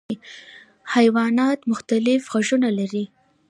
حیوانات مختلف غږونه لري.